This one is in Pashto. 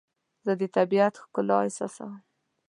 زه د طبیعت ښکلا احساسوم.